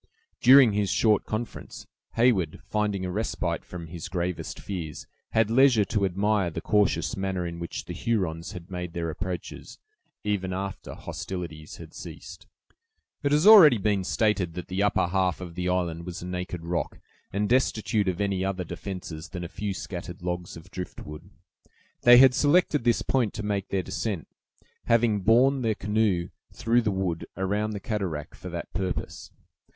During his short conference, Heyward, finding a respite from his gravest fears, had leisure to admire the cautious manner in which the Hurons had made their approaches, even after hostilities had ceased. It has already been stated that the upper half of the island was a naked rock, and destitute of any other defenses than a few scattered logs of driftwood. They had selected this point to make their descent, having borne the canoe through the wood around the cataract for that purpose.